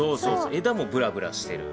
枝もブラブラしてる。